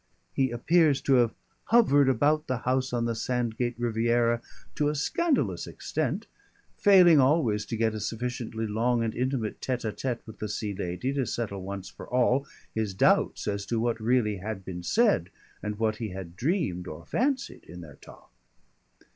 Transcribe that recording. He appears to have hovered about the house on the Sandgate Riviera to a scandalous extent, failing always to get a sufficiently long and intimate tête à tête with the Sea Lady to settle once for all his doubts as to what really had been said and what he had dreamed or fancied in their talk.